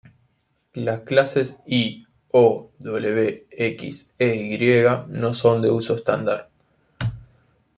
Las clases I, O, W, X e Y no son de uso estándar.